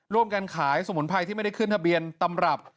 การขายสมุนไพรที่ไม่ได้ขึ้นทะเบียนตำรับ